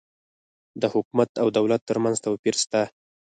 د حکومت او دولت ترمنځ توپیر سته